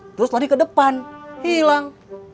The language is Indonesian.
terus lari ke depan hilang